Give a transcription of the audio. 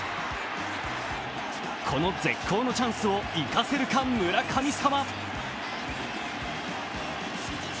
この絶好のチャンスを生かせるか村神様。